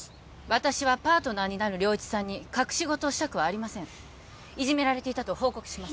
私はパートナーになる良一さんに隠し事をしたくはありませんいじめられていたと報告します